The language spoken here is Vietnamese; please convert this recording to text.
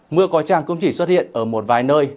mưa có tràng cũng chỉ xuất hiện ở một vài nơi